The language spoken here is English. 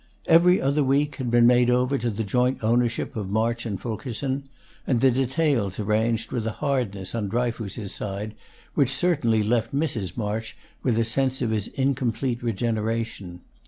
'Every Other Week' had been made over to the joint ownership of March and Fulkerson, and the details arranged with a hardness on Dryfoos's side which certainly left Mrs. March with a sense of his incomplete regeneration.